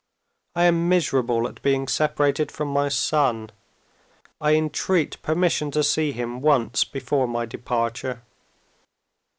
I am miserable at being separated from my son. I entreat permission to see him once before my departure.